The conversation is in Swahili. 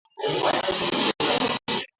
Waliripoti kuwa serikali imesitisha mazungumzo